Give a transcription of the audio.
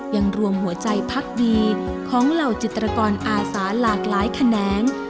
รวมหัวใจพักดีของเหล่าจิตรกรอาสาหลากหลายแขนง